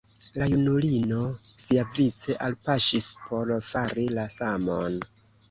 La junulino siavice alpaŝis por fari la samon.